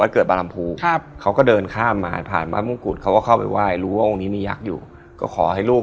ครับผมสวัสดีค่ะ